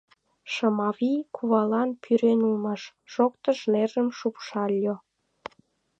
Шымавий кувалан пӱрен улмаш, — шоктыш, нержым шупшыльо.